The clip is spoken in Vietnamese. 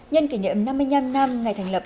nhân kỷ niệm năm mươi năm năm ngày thành lập